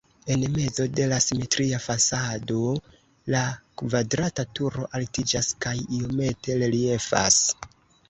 En mezo de la simetria fasado la kvadrata turo altiĝas kaj iomete reliefas.